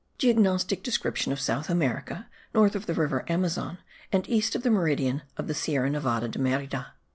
GEOGNOSTIC DESCRIPTION OF SOUTH AMERICA, NORTH OF THE RIVER AMAZON, AND EAST OF THE MERIDIAN OF THE SIERRA NEVADA DE MERIDA.